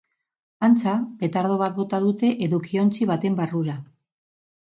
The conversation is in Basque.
Antza, petardo bat bota dute edukiontzi baten barrura.